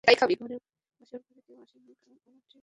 বসার ঘরে কেউ আসে নি, কারণ আমার টিভি শোবার ঘরে!